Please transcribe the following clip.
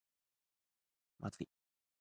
まずい